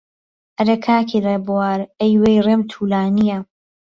ئهرێ کاکی رێبوار، ئهی وهی رێم توولانییه